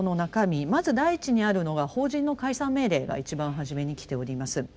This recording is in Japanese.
まず第一にあるのが「法人の解散命令」が一番はじめにきております。